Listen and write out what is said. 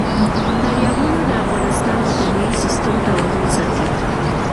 دریابونه د افغانستان د طبعي سیسټم توازن ساتي.